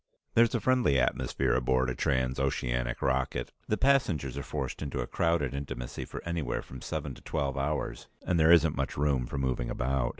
There's a friendly atmosphere aboard a trans oceanic rocket. The passengers are forced into a crowded intimacy for anywhere from seven to twelve hours, and there isn't much room for moving about.